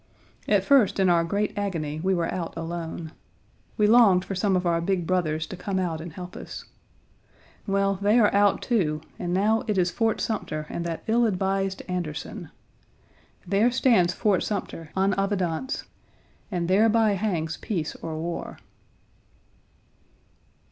At first in our great agony we were out alone. We longed for some of our big brothers to come out and help us. Well, they are out, too, and now it is Fort Sumter and that ill advised Anderson. There stands Fort Sumter, en evidence, and thereby hangs peace or war.